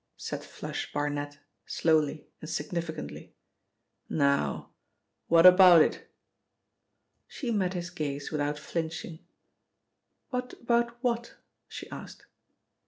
said 'Flush' Barnet slowly and significantly. "Now, what about it?" She met his gaze without flinching. "What about what?" she asked.